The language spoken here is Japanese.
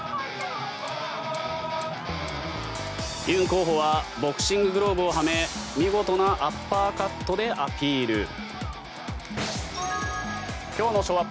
ユン候補はボクシンググローブをはめ見事なアッパーカットでアピール。